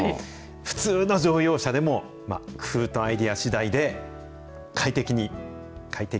普通の乗用車でも、工夫とアイデアしだいで、快適に、快適？